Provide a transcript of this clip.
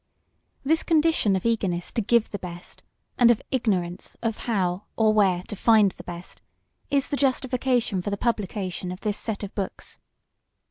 This condition of eagerness to give the best, and of ignorance of how or where to find the best is the justification for the publication of this set of books.